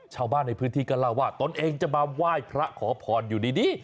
ชาวบ้านในพื้นที่ก็เล่าว่าตนเองจะมาไหว้พระขอพรอยู่ดี